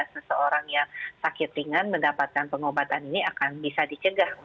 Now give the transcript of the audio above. seseorang yang sakit ringan mendapatkan pengobatan ini akan bisa dicegah